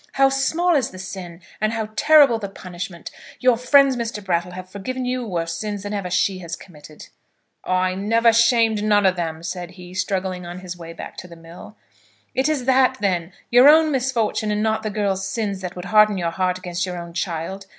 How small is the sin, and how terrible the punishment! Your friends, Mr. Brattle, have forgiven you worse sins than ever she has committed." "I never shamed none of them," said he, struggling on his way back to the mill. "It is that, then; your own misfortune and not the girl's sin that would harden your heart against your own child?